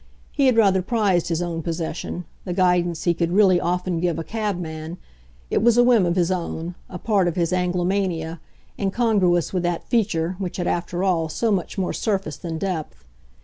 He had rather prized his own possession, the guidance he could really often give a cabman; it was a whim of his own, a part of his Anglomania, and congruous with that feature, which had, after all, so much more surface than depth.